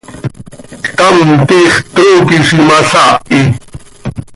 Ctam, tiix trooqui z imalaahi.